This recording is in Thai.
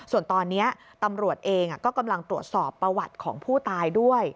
ส่วนตอนนี้ตำรวจเองก็กำลังตรวจสอบประวัติของผู้ตายด้วย